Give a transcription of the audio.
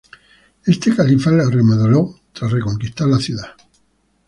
Este califa la remodeló tras reconquistar la ciudad.